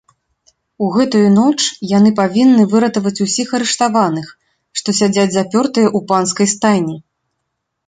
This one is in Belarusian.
У гэтую ноч яны павінны выратаваць усіх арыштаваных, што сядзяць запёртыя ў панскай стайні.